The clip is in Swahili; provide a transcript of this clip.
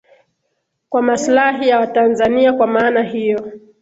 kwa maslahi ya watanzania kwa maana hiyo